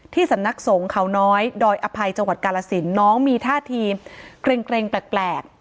สำนักสงฆ์เขาน้อยดอยอภัยจังหวัดกาลสินน้องมีท่าทีเกร็งแปลก